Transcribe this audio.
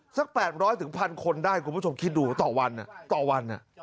สัก๘๐๐๑๐๐คนได้คุณผู้ชมคิดดูต่อวันต่อวัน